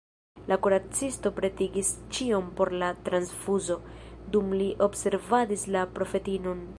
La kuracisto pretigis ĉion por la transfuzo, dum li observadis la profetinon.